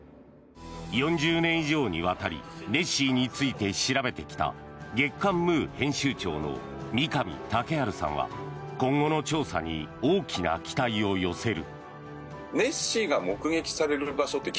４０年以上にわたりネッシーについて調べてきた月刊「ムー」編集長の三上丈晴さんは今後の調査に大きな期待を寄せる。